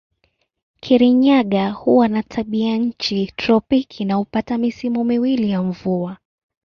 Kirinyaga huwa na tabianchi tropiki na hupata misimu miwili ya mvua.